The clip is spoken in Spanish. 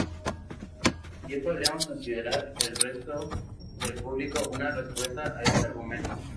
Bien podríamos considerar el resto del libro una respuesta a este argumento.